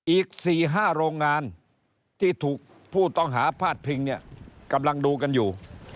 อีก๔๕โรงงานที่ถูกผู้ต้องหาพาดพิงเนี่ยกำลังดูกันอยู่